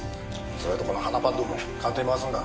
それとこの鼻パッドも鑑定に回すんだ。